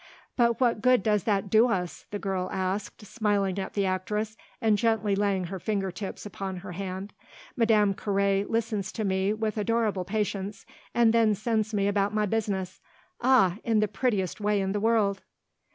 "But what good does that do us?" the girl asked, smiling at the actress and gently laying her finger tips upon her hand. "Madame Carré listens to me with adorable patience, and then sends me about my business ah in the prettiest way in the world."